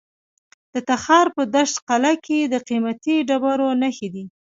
د تخار په دشت قلعه کې د قیمتي ډبرو نښې دي.